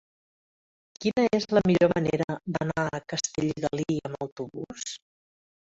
Quina és la millor manera d'anar a Castellgalí amb autobús?